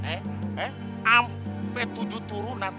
eh ampe tujuh turunan